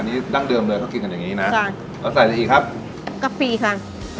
อันนี้ดั้งเดิมเลยเขากินกันอย่างงี้นะจ้ะเราใส่ได้อีกครับกะปิค่ะ